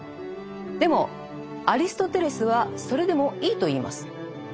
でもアリストテレスはそれでもいいと言います。